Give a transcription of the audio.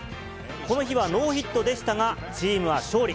この日はノーヒットでしたが、チームは勝利。